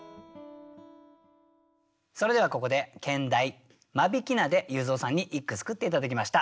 それではここで兼題「間引菜」で裕三さんに一句作って頂きました。